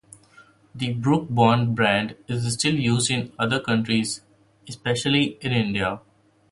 The Brooke Bond brand is still used in other countries, especially in India.